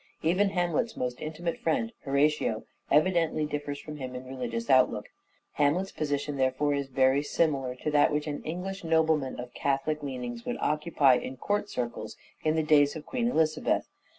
Even Hamlet's most intimate friend, Horatio, evidently differs from him in religious outlook. Hamlet's position, therefore, is very similar to that which an English nobleman of Catholic leanings would occupy in court circles in the days of Queen Elizabeth.